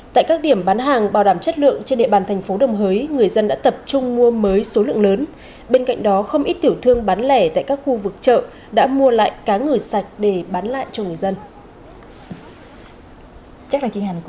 tại các điểm bán hàng bảo đảm chất lượng trên địa bàn thành phố đồng hới người dân đã tập trung mua mới số lượng lớn